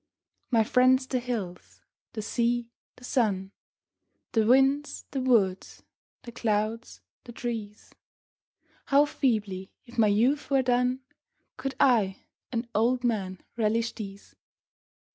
My friends the hills, the sea, the sun, The winds, the woods, the clouds, the trees How feebly, if my youth were done, Could I, an old man, relish these